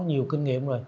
nhiều kinh nghiệm rồi